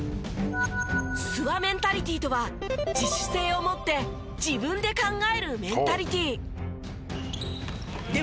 諏訪メンタリティとは自主性を持って自分で考えるメンタリティ。